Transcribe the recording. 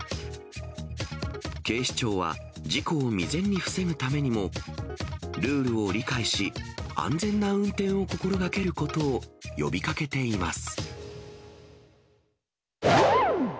警視庁は事故を未然に防ぐためにも、ルールを理解し、安全な運転を心がけることを呼びかけています。